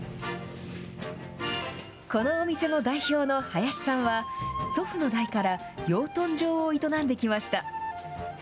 このお店の代表の林さんは、祖父の代から養豚場を営んできました。